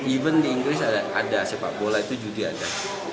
even di inggris ada sepak bola itu judi ada